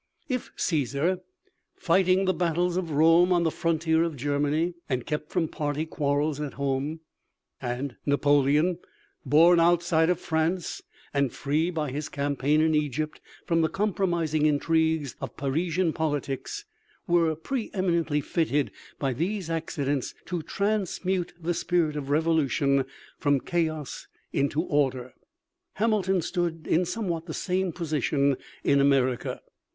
If Cæsar, fighting the battles of Rome on the frontier of Germany, and kept from party quarrels at home, and Napoleon, born outside of France and free by his campaign in Egypt from the compromising intrigues of Parisian politics, were preëminently fitted by these accidents to transmute the spirit of revolution from chaos into order, Hamilton stood in somewhat the same position in America.